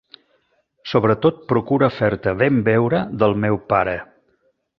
Sobretot procura fer-te ben veure del meu pare.